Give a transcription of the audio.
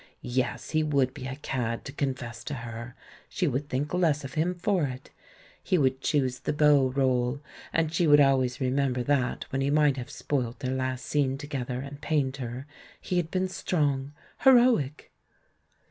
Yes, he would be a cad to confess to her — she would think less of him for it. lie would choose the beau role — and she would alwavs remember that, when he might have spoilt their last scene together and pained her, he had been strong, heroic!